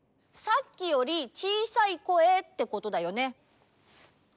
さっきよりちいさい声ってことだよね。